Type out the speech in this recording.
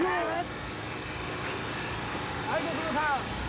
はいご苦労さん。